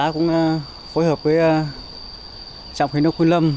chúng tôi đã phối hợp với trạm khánh đông quyên lâm